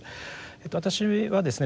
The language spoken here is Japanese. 私はですね